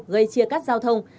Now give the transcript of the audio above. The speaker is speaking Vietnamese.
gây chia cắt giao thông